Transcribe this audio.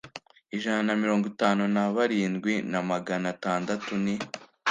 Ijana na mirongo itanu na birindwi na magana atandatu ni